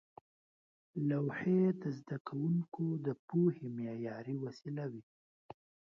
لوحې د زده کوونکو د پوهې معیاري وسیله وې.